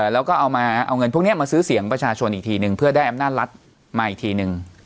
แล้วก็เอามาเอาเงินพวกนี้มาซื้อเสียงประชาชนอีกทีนึงเพื่อได้อำนาจรัฐมาอีกทีนึง